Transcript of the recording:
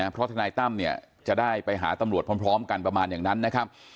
เพราะทนายตั้มเนี่ยจะได้ไปหาตำรวจพร้อมกันประมาณอย่างนั้นนะครับ